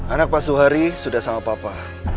anak pak suhari sudah sama papa